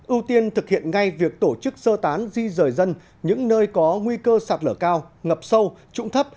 ưu tiên thực hiện ngay việc tổ chức sơ tán di rời dân những nơi có nguy cơ sạt lở cao ngập sâu trụng thấp